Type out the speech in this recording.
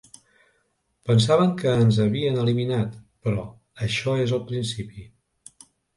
Pensaven que ens havien eliminat, però això és el principi.